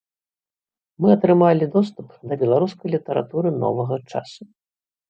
Мы атрымалі доступ да беларускай літаратуры новага часу.